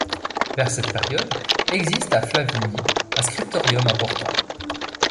Vers cette période existe à Flavigny un scriptorium important.